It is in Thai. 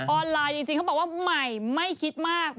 ไลน์จริงเขาบอกว่าใหม่ไม่คิดมาก